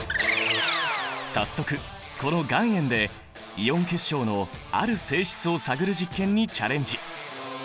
早速この岩塩でイオン結晶のある性質を探る実験にチャレンジ！